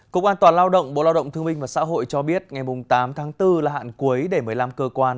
cục an toàn lao động bộ lao động thương minh và xã hội cho biết ngày tám tháng bốn là hạn cuối để một mươi năm cơ quan